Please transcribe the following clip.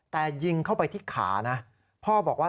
แต่ยิงเข้าไปที่ขานะ